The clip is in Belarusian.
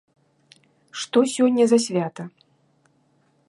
Што сёння за свята?